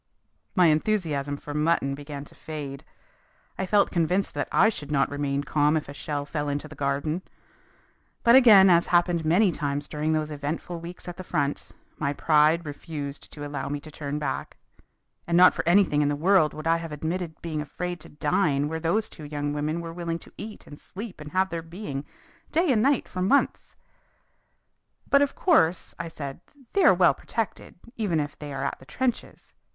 My enthusiasm for mutton began to fade. I felt convinced that I should not remain calm if a shell fell into the garden. But again, as happened many times during those eventful weeks at the front, my pride refused to allow me to turn back. And not for anything in the world would I have admitted being afraid to dine where those two young women were willing to eat and sleep and have their being day and night for months. "But of course," I said, "they are well protected, even if they are at the trenches.